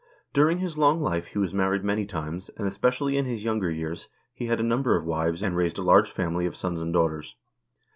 During his long life he was married many times, and, especially in his younger years, he had a number of wives, and raised a large family of sons and daughters.